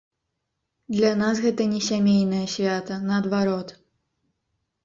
Для нас гэта не сямейнае свята, наадварот.